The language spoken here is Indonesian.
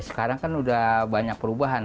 sekarang kan udah banyak perubahan